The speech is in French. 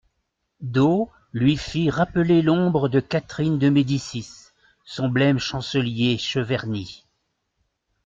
D'O lui fit rappeler l'ombre de Catherine de Médicis, son blême chancelier Cheverny.